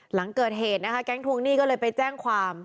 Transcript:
หลังเกิดเหตุนะคะแก๊งทวงหนี้ก็เลยไปแจ้งความ